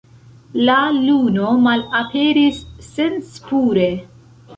La luno malaperis senspure.